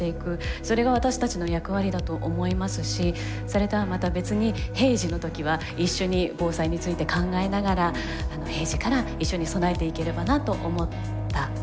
それが私たちの役割だと思いますしそれとはまた別に平時の時は一緒に防災について考えながら平時から一緒に備えていければなと思った次第でした。